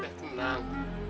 saya minta semuanya tenang